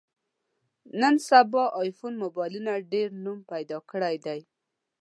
نن سبا ایفون مبایلونو ډېر نوم پیدا کړی دی.